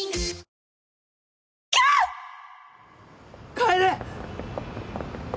楓！